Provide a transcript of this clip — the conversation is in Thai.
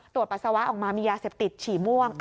ปัสสาวะออกมามียาเสพติดฉี่ม่วง